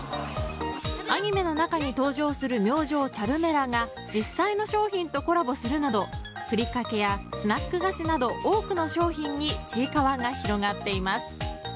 アニメの中に登場する明星チャルメラが実際の商品とコラボするなどふりかけやスナック菓子など多くの商品にちいかわが広がっています。